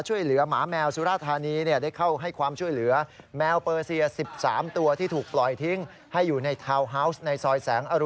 ช่วยเหลือหมาแมวสุราธานีย์